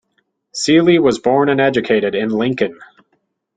Seely was born and educated in Lincoln.